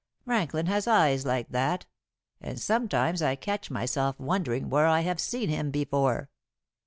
Franklin has eyes like that, and sometimes I catch myself wondering where I have seen him before.